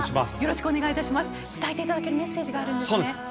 伝えていただけるメッセージがあるんですね。